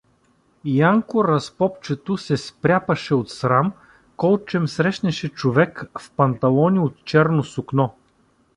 Анко Разпопчето се спряпаше от срам, колчем срещнеше човек в панталони от черно сукно.